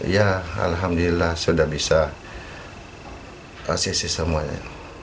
ya alhamdulillah sudah bisa kasih semuanya